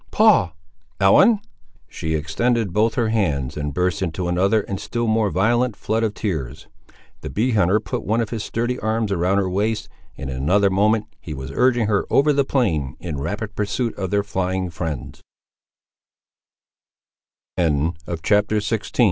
"Paul!" "Ellen!" She extended both her hands and burst into another and a still more violent flood of tears. The bee hunter put one of his sturdy arms around her waist, and in another moment he was urging her over the plain, in rapid pursuit of their flying friend